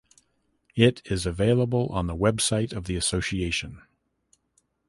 It is available on the website of the association.